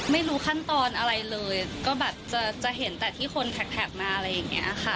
ไม่รู้ขั้นตอนอะไรเลยก็แบบจะเห็นแต่ที่คนแท็กมาอะไรอย่างนี้ค่ะ